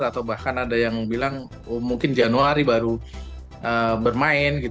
atau bahkan ada yang bilang mungkin januari baru bermain